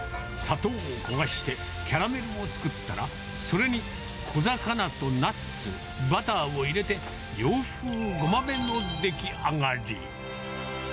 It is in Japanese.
砂糖を焦がしてキャラメルを作ったら、それに小魚とナッツ、バターを入れて、洋風ごまめの出来上がり。